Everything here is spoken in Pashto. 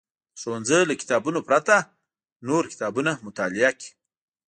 د ښوونځي له کتابونو پرته نور کتابونه مطالعه کړي.